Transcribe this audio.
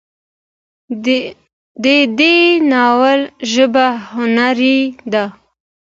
د دې ناول ژبه هنري ده